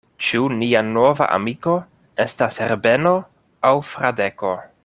Ĉu nia nova amiko estas Herbeno aŭ Fradeko?